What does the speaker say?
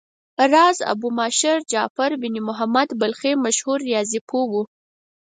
راز ابومعشر جعفر بن محمد بلخي مشهور ریاضي پوه و.